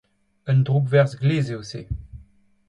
Un droukverzh glez eo se.